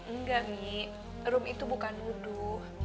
enggak mi rum itu bukan nuduh